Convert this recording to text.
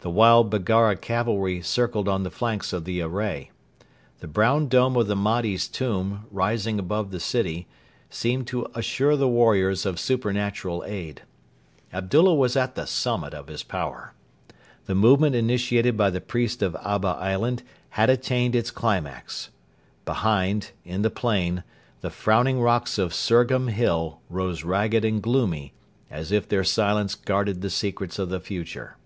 The wild Baggara cavalry circled on the flanks of the array. The brown dome of the Mahdi's tomb, rising above the city, seemed to assure the warriors of supernatural aid. Abdullah was at the summit of his power. The movement initiated by the priest of Abba island had attained its climax. Behind, in the plain, the frowning rocks of Surgham Hill rose ragged and gloomy, as if their silence guarded the secrets of the future.